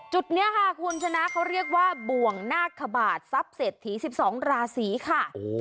จุดนี้ค่ะคุณชนะเขาเรียกว่าบ่วงนาคบาททรัพย์เศรษฐี๑๒ราศีค่ะ